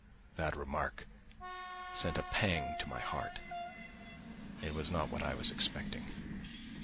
That remark sent a pang to my heart. It was not what I was expecting.